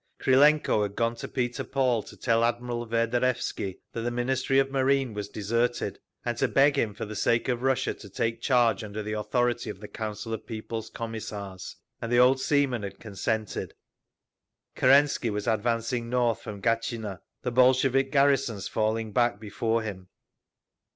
Krylenko had gone to Peter Paul to tell Admiral Verderevsky that the Ministry of Marine was deserted, and to beg him, for the sake of Russia, to take charge under the authority of the Council of People's Commissars; and the old seaman had consented…. Kerensky was advancing north from Gatchina, the Bolshevik garrisons falling back before him.